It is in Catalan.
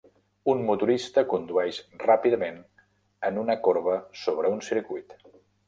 Un motorista condueix ràpidament en una corba sobre un circuit.